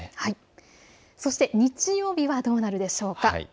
そして日曜日はどうなるでしょうか。